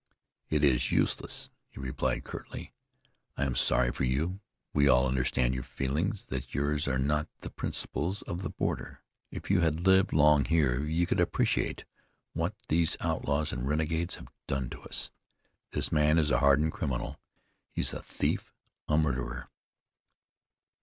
"It is useless," he replied curtly. "I am sorry for you. We all understand your feelings, that yours are not the principles of the border. If you had lived long here you could appreciate what these outlaws and renegades have done to us. This man is a hardened criminal; he is a thief, a murderer."